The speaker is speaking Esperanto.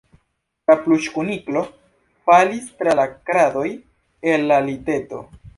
La pluŝkuniklo falis tra la kradoj el la liteto.